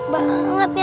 banget nih asapnya